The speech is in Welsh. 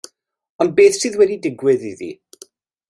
Ond beth sydd wedi digwydd iddi?